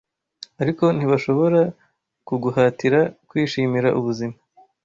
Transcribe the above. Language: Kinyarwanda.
ariko ntibashobora kuguhatira kwishimira ubuzima